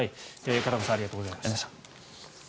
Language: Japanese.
片岡さんありがとうございました。